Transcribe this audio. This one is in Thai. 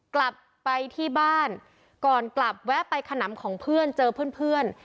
กลับไปที่บ้านก่อนกลับแวะไปขนำของเพื่อนเจอเพื่อน